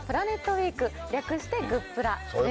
ウィーク略して「グップラ」です。